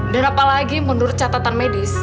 dan apalagi menurut catatan medis